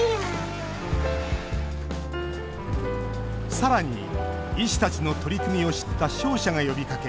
さらに、医師たちの取り組みを知った商社が呼びかけ